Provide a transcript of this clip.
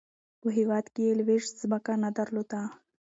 په هیواد کې یې لویشت ځمکه نه درلوده.